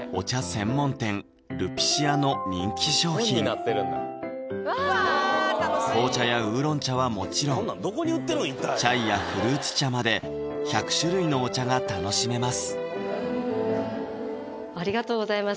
専門店・ＬＵＰＩＣＩＡの人気商品紅茶やウーロン茶はもちろんチャイやフルーツ茶まで１００種類のお茶が楽しめますありがとうございます